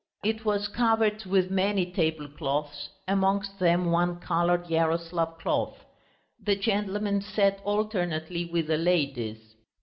It was covered with many tablecloths, amongst them one coloured Yaroslav cloth; the gentlemen sat alternately with the ladies.